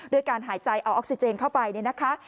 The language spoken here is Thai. การหายใจเอาออกซิเจนเข้าไปเนี่ยนะคะ